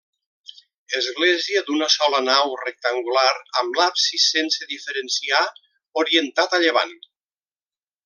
Església d'una sola nau rectangular amb l'absis sense diferenciar, orientat a llevant.